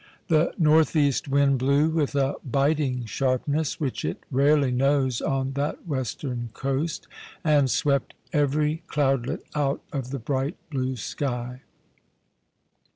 The north east wind blew with a biting sharpness which it rarely knows on that western coast, and swept every cloudlet out of the bright blue sky.